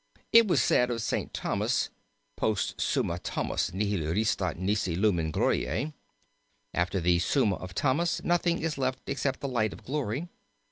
It was said of St. Thomas, 'Post Summan Thomae nihil restat nisi lumen gloriae' After the Summa of Thomas nothing is left except the light of glory.